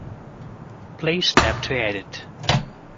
Please tap to edit.